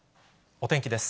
お天気です。